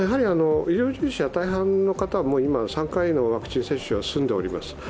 医療従事者の大半の方は今は３回のワクチン接種は済んでおります。